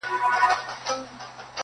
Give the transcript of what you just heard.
که ټوله ژوند په تنهايۍ کي تېر کړم.